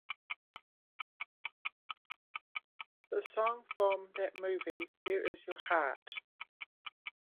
The song from that movie, Where Is Your Heart?